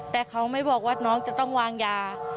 แต่เขาไม่บอกว่าน้องจะต้องวางยา